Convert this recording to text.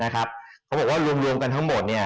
ก็บอกว่าลวงกันทั้งหมดเนี่ย